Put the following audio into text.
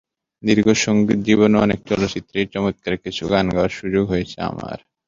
দীর্ঘ সংগীতজীবনে অনেক চলচ্চিত্রেই চমৎকার কিছু গান গাওয়ার সুযোগ হয়েছে আমার।